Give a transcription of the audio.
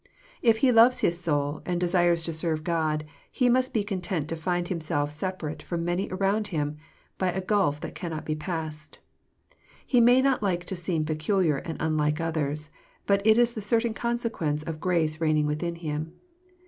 If he loves his soul, and desires to serve God, he must be content to find himself separated from many around him by a gulf that cannot be passed. He may not like to seem peculiar and unlike others ; but it is the certain consequence of grace reigning within him.